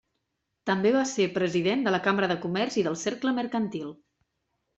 També va ser president de la Cambra de Comerç i del Cercle Mercantil.